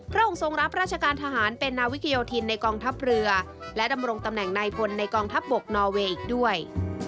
องค์ทรงรับราชการทหารเป็นนาวิกโยธินในกองทัพเรือและดำรงตำแหน่งนายพลในกองทัพบกนอเวย์อีกด้วย